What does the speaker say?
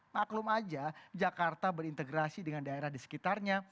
maklum aja jakarta berintegrasi dengan daerah di sekitarnya